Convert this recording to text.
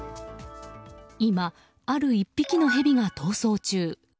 今、ある１匹のヘビが逃走中。